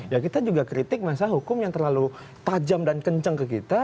ya kita juga kritik masa hukum yang terlalu tajam dan kenceng ke kita